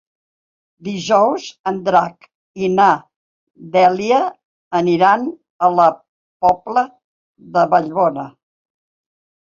Dijous en Drac i na Dèlia aniran a la Pobla de Vallbona.